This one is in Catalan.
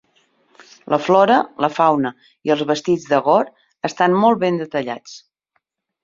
La flora, la fauna i els vestits de Gor estan molt ben detallats.